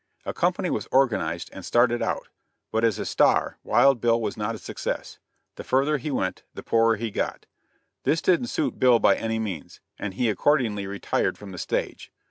A company was organized and started out, but as a "star" Wild Bill was not a success; the further he went the poorer he got. This didn't suit Bill by any means, and he accordingly retired from the stage.